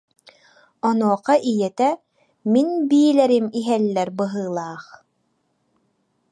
Онуоха ийэтэ: «Мин биилэрим иһэллэр быһыылаах»